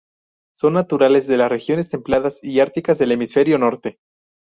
Son naturales de las regiones templadas y árticas del hemisferio norte.